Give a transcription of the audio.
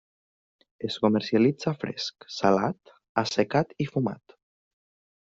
Es comercialitza fresc, salat, assecat i fumat.